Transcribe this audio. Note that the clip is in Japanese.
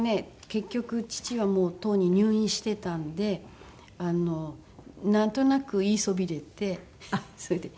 結局父はもうとうに入院してたんでなんとなく言いそびれてそれで。